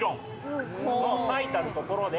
最たるところで。